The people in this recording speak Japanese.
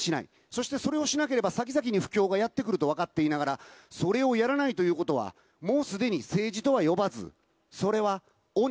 そしてそれをしなければ、先々に不況がやって来ると分かっていながら、それをやらないということは、もうすでに政治とは呼ばず、それは鬼。